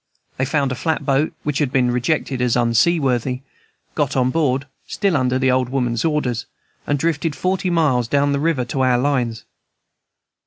They found a flat boat which had been rejected as unseaworthy, got on board, still under the old woman's orders, and drifted forty miles down the river to our lines.